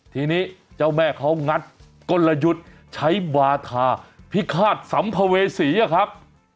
ทีนี้เจ้าแม่เขางัดกลยุทธ์ใช้บาทาพิฆาตสัมภเวษีอะครับ